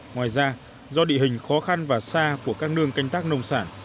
ngoài ra do địa hình khó khăn và xa của các nương canh tác nông sản